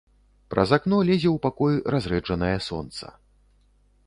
Праз акно лезе ў пакой разрэджанае сонца.